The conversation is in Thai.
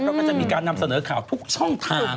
แล้วก็จะมีการนำเสนอข่าวทุกช่องทาง